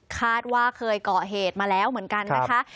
คาดว่าเคยเกาะเหตุมาแล้วเหมือนกันนะคะ